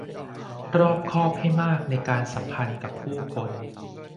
รอบคอบให้มากในการสัมพันธ์กับผู้คน